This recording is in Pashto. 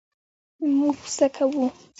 مونږ زده کوو